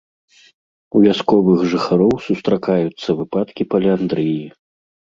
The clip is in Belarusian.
У вясковых жыхароў сустракаюцца выпадкі паліандрыі.